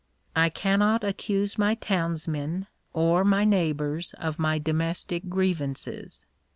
I cannot accuse my townsmen or my neighbours of my domestic grievances.